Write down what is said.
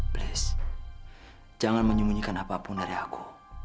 bles jangan menyembunyikan apapun dari aku